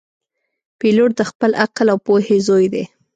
پیلوټ د خپل عقل او پوهې زوی دی.